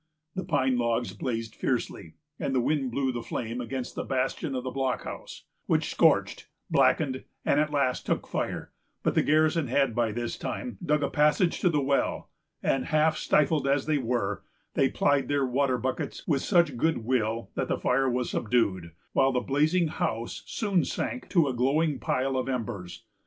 The pine logs blazed fiercely, and the wind blew the flame against the bastion of the blockhouse, which scorched, blackened, and at last took fire; but the garrison had by this time dug a passage to the well, and, half stifled as they were, they plied their water buckets with such good will that the fire was subdued, while the blazing house soon sank to a glowing pile of embers.